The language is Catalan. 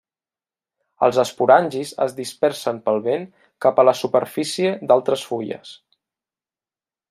Els esporangis es dispersen pel vent cap a la superfície d'altres fulles.